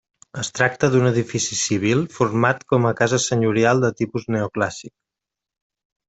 Es tracta d'un edifici civil format com a casa senyorial de tipus neoclàssic.